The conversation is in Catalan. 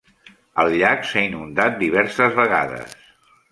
El llac s'ha inundat diverses vegades.